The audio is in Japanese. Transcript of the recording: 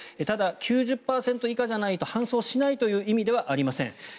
ただ、９０％以下じゃないと搬送しないという意味ではありません。